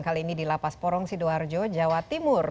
kali ini di lapas porong sidoarjo jawa timur